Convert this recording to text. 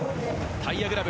タイヤグラブ。